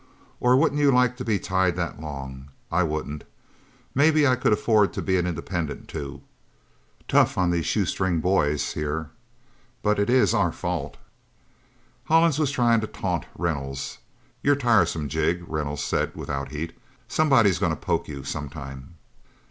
Or wouldn't you like to be tied that long? I wouldn't. Maybe I could afford to be an independent, too. Tough on these shoestring boys, here, but is it our fault?" Hollins was trying to taunt Reynolds. "You're tiresome, Jig," Reynolds said without heat. "Somebody's going to poke you sometime..."